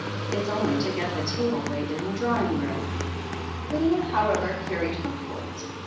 It's only to get the table laid in the drawing room." \ Lydia, however, carried her point.